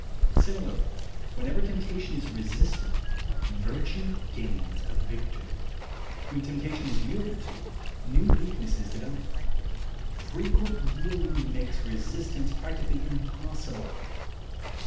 Similarly, whenever temptation is resisted, virtue gains a victory; when temptation is yielded to, new weaknesses develop. THE WAY TO WILL POWER 73 Frequent yielding makes resistance practically im possible.